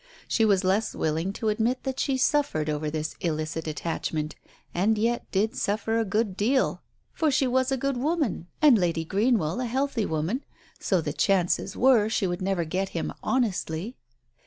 She was less willing to admit that she suffered over this illicit attach ment, and yet did suffer a good deal, for she was a Digitized by Google THE MEMOIR 79 good woman, and Lady Greenwell a healthy woman, so the chances were she would never get him honestly.